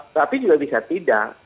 tapi juga bisa tidak